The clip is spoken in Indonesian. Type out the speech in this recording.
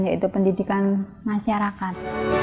yaitu pendidikan masyarakat